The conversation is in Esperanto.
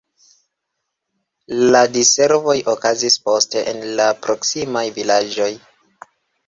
La diservoj okazis poste en la proksimaj vilaĝoj.